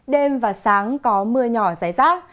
đêm và sáng có mưa nhỏ ráy rác